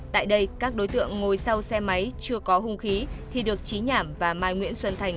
tại đây các đối tượng ngồi sau xe máy chưa có hung khí thì được trí nhảm và mai nguyễn xuân thành